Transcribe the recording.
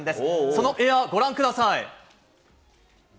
そのエアー、ご覧ください。